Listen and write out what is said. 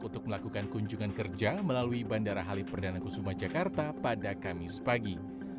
untuk melakukan kunjungan kerja melalui bandara halim perdana kusuma jakarta pada kamis pagi